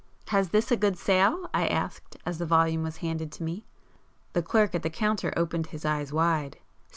"Has this a good sale?" I asked, as the volume was handed to me. The clerk at the counter opened his eyes wide.